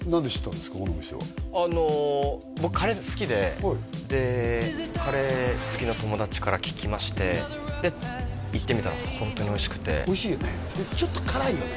これはでカレー好きの友達から聞きましてで行ってみたらホントにおいしくておいしいよねちょっと辛いよね